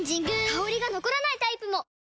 香りが残らないタイプも！